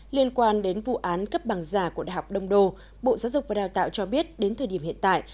liên quan đến vụ án cấp bằng giả của đại học đông đô bộ giáo dục và đào tạo cho biết đến thời điểm hiện tại